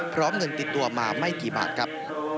พร้อมเงินติดตัวมาไม่กี่บาทครับ